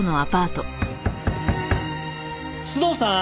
須藤さん？